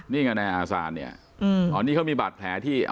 นี่ไงนายอาซานเนี่ยตอนนี้เขามีบาดแผลที่